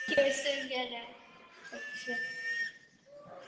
Přístup na základě dobrovolnosti zjevně nefunguje.